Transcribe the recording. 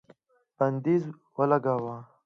بندیز ولګاوه